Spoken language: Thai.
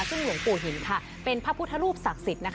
ซึ่งหลวงปู่หินค่ะเป็นพระพุทธรูปศักดิ์สิทธิ์นะคะ